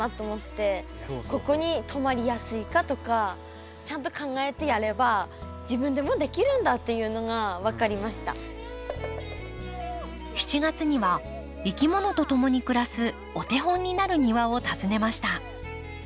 ここにとまりやすいかとかちゃんと考えてやれば７月にはいきものとともに暮らすお手本になる庭を訪ねました。